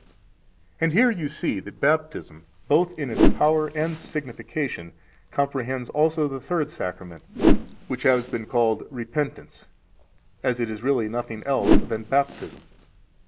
74 And here you see that Baptism, both in its power and signification, comprehends also the third Sacrament, which has been called repentance, 75 as it is really nothing else than Baptism.